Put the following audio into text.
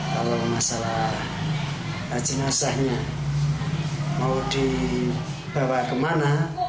kalau masalah jenazahnya mau dibawa kemana